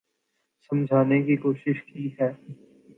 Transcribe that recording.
سمجھانے کی کوشش کی ہے